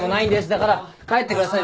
だから帰ってください。